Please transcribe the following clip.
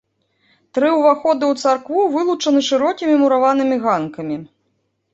Тры ўваходы ў царкву вылучаны шырокімі мураванымі ганкамі.